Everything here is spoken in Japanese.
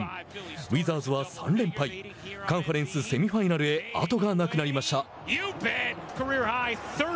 ウィザーズは３連敗カンファレンスセミファイナルへ後がなくなりました。